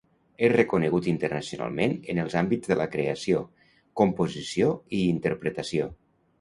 És reconegut internacionalment en els àmbits de la creació, composició i interpretació.